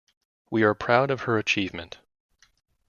We are proud of her achievement.